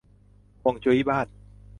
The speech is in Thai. ฮวงจุ้ยบ้าน